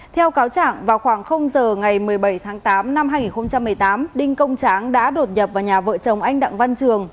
theo cáo chẳng vào khoảng giờ ngày một mươi bảy tháng tám năm hai nghìn một mươi tám đinh công tráng đã đột nhập vào nhà vợ chồng anh đặng văn trường